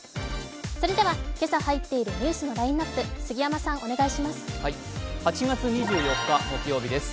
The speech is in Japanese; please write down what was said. それでは今朝入っているニュースのラインナップ、８月２４日、木曜日です。